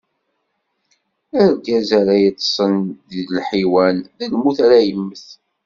Argaz ara yeṭṭṣen d lḥiwan, d lmut ara yemmet.